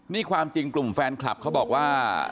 นี่ความจริงกลุ่มแฟนคลับเขาบอกว่า